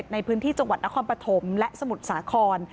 ในพื้นที่จังหวัดนครปฐมและสมุทรสาคร